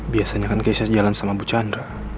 biasanya kan keisha jalan sama bu chandra